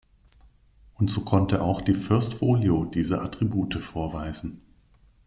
Und so konnte auch die "First Folio" diese Attribute vorweisen.